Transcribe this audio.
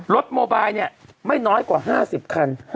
รถโมบายเนี่ยไม่น้อยกว่า๕๐คัน